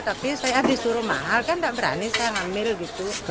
tapi saya disuruh mahal kan tak berani saya ngambil gitu kenapa gitu bukan bisa jual di